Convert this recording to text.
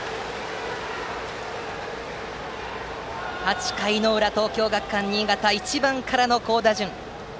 ８回の裏、東京学館新潟は１番からの好打順。